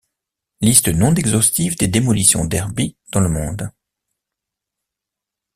Liste non exhaustive des Demolition Derby dans le monde.